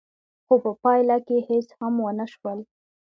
خو په پايله کې هېڅ هم ونه شول.